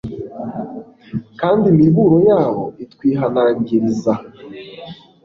kandi imiburo yabo itwihanangiriza